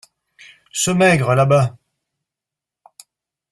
Ce maigre là-bas.